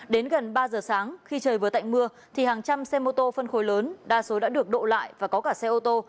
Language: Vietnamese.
đến gần ba giờ sáng khi trời vừa tạnh mưa thì hàng trăm xe mô tô phân khối lớn đa số đã được đổ lại và có cả xe ô tô